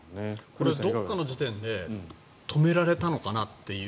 どこかの時点で止められたのかなという。